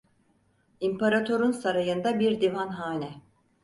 İmparator'un sarayında bir divanhane.